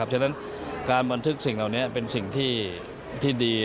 ฉะนั้นการบันทึกสิ่งเหล่านี้เป็นสิ่งที่ดี